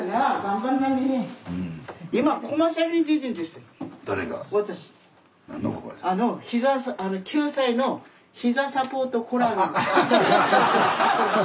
キューサイのひざサポートコラーゲン。